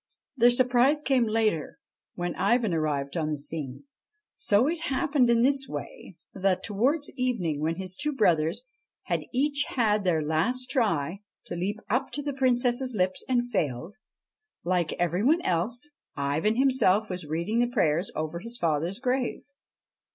Their surprise came later, when Ivan arrived on the scene. It so happened in this way: that, towards evening, when his two brothers had each had their last try to leap up to the Princess's lips and failed, like every one else, Ivan himself was reading the prayers over his father's grave.